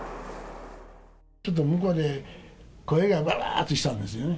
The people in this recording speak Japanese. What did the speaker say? ちょっと向こうで、声がわわーってしたんですよね。